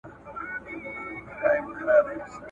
هسي نه چي دا یو ته په زړه خوږمن یې !.